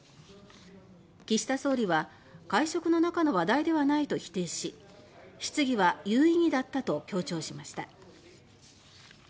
岸田総理は会食の中の話題ではないと否定し「質疑は有意義だった」と強調しました。